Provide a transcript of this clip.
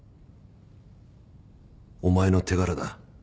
お前の手柄だ。